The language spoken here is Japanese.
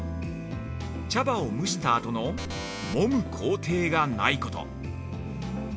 茶葉を蒸したあとのもむ工程がないこと。